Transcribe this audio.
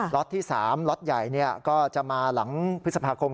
็อตที่๓ล็อตใหญ่ก็จะมาหลังพฤษภาคม